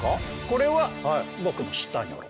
これは僕の舌ニョロ。